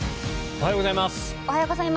おはようございます。